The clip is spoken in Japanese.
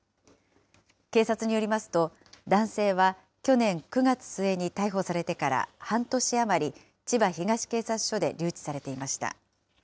警察によりますと、男性は去年９月末に逮捕されてから半年余り、千葉東警察署で留置されていました。